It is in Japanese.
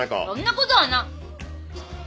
そんなことはな！